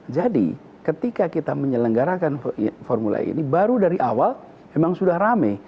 jadi ketika kita menyelenggarakan formula e ini baru dari awal memang sudah rame